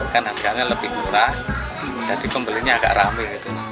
kan harganya lebih murah jadi pembelinya agak rame